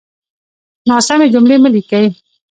ناسمې جملې مه ليکئ!